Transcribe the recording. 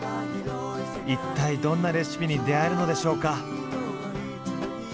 一体どんなレシピに出会えるのでしょうか？